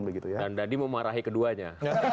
dan tadi memarahi keduanya